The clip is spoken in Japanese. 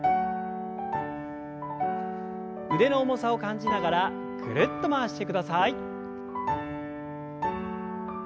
腕の重さを感じながらぐるっと回してください。